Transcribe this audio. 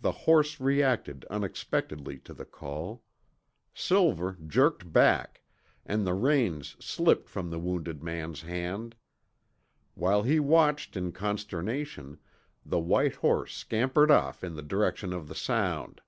The horse reacted unexpectedly to the call. Silver jerked back, and the reins slipped from the wounded man's hand. While he watched in consternation, the white horse scampered off in the direction of the sound.